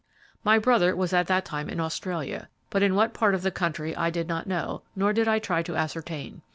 My brother at that time was in Australia, but in what part of the country I did not know, nor did I try to ascertain.